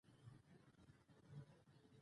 زمـا د سـترګو پـر پـردو تېـرېده.